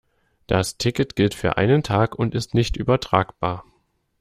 Das Ticket gilt für einen Tag und ist nicht übertragbar.